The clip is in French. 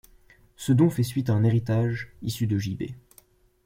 Ce don fait suite à un héritage issu de J-B.